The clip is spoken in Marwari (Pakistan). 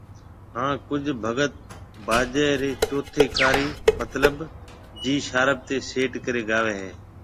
ھان ڪجھ ڀگت باجي ري چوٿي ڪاري مطلب جِي شارپ تي سيٽ ڪري گاوي ھيَََ